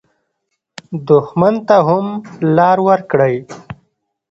دښمن ته هم لار ورکړئ